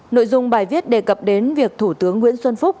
nội dung bài viết đề cập đến việc thủ tướng nguyễn xuân phúc